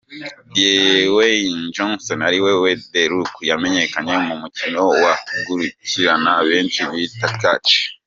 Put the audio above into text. Diweyini Jonsoni ari we de Roku, yamenyekanye mu mukino wa gukirana benshi bita catch.